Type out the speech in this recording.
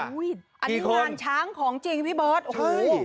อันนี้งานช้างของจริงพี่เบิร์ตโอ้โห